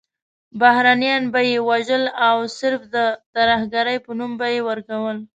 بهرنیان به یې وژل او صرف د ترهګرۍ نوم به یې ورکول.